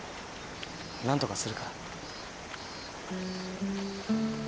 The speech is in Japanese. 何とかするから。